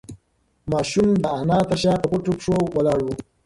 ماشوم د انا تر شا په پټو پښو ولاړ و.